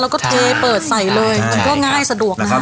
เราก็เธอเปิดใส่เลยแต่ก็ง่ายสะดวกนะครับ